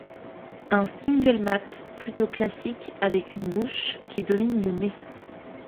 Un single malt plutôt classique avec une bouche qui domine le nez.